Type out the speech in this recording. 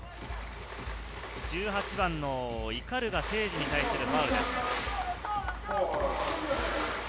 １８番の鵤誠司に対するファウルです。